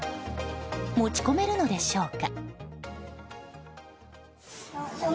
持ち込めるのでしょうか。